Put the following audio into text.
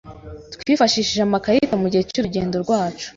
Twifashishije amakarita mugihe cyurugendo rwacu.